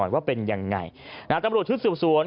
รองหน่อย